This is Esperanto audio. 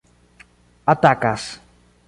atakas